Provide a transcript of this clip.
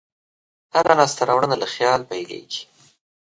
هره لاسته راوړنه له خیال پیلېږي.